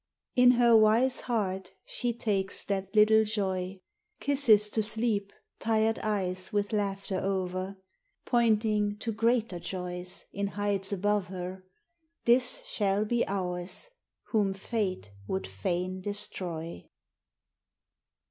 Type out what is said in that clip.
In her wise heart she takes that little Joy, Kisses to sleep tired eyes with laughter over, Pointing to greater joys in heights above her This shall be ours whom fate would fain destroy.